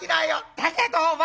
『だけどお前！